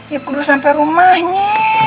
ya kudus sampe rumahnya